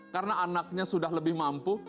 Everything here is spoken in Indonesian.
karena anaknya sudah lebih mampu